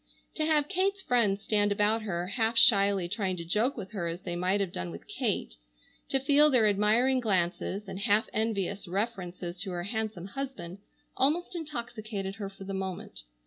To have Kate's friends stand about her, half shyly trying to joke with her as they might have done with Kate, to feel their admiring glances, and half envious references to her handsome husband, almost intoxicated her for the moment.